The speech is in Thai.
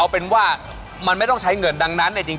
เอาเป็นว่าอาจจะใช้เงิน